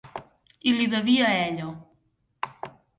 I li devia a ella.